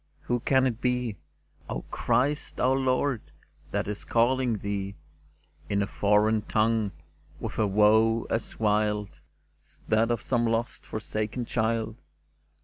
" Who can it be, O Christ our Lord, that is calling Thee In a foreign tongue, with a woe as wild As that of some lost, forsaken child